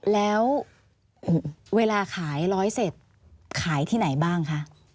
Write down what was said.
แล้วเวลาขายร้อยเสร็จขายที่ไหนบ้างคะ